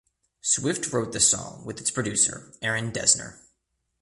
Swift wrote the song with its producer Aaron Dessner.